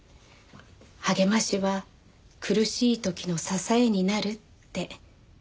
励ましは苦しい時の支えになるって。